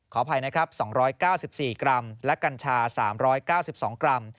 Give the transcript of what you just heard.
ขออภัยนะครับ๒๙๔กรัมและกัญชา๓๙๒กรัม